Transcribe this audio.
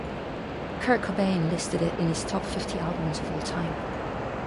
Kurt Cobain listed it in his top fifty albums of all time.